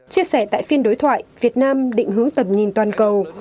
chia sẻ tại phiên đối thoại việt nam định hướng tầm nhìn toàn cầu